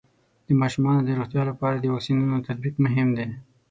د ماشومانو د روغتیا لپاره د واکسینونو تطبیق مهم دی.